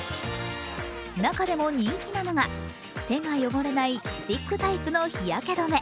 中でも人気なのが、手が汚れないスティックタイプの日焼け止め。